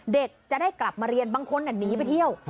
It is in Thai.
เด็กจะได้กลับมาเรียนบางคนหนีไปเที่ยว